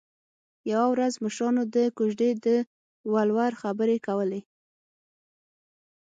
یوه ورځ مشرانو د کوژدې د ولور خبرې کولې